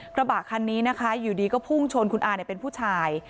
กระบะคันนี้นะคะอยู่ดีก็พุ่งชนคุณอาเป็นผู้ชาย